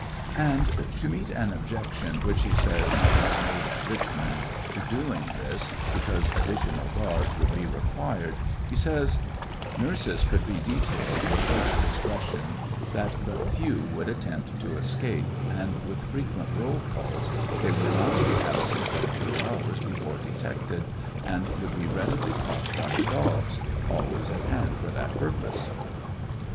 And to meet an objection, which he says was made at Richmond to doing this> because additional guards would be required, he says : Nurses could be detailed with such discretion that but few would attempt to escape, and with frequent roll calls, they would not be absent but a few hours before detected, and would be readily caught by the dogs, always at hand for that purpose.